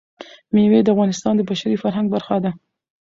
مېوې د افغانستان د بشري فرهنګ برخه ده.